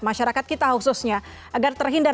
masyarakat kita khususnya agar terhindar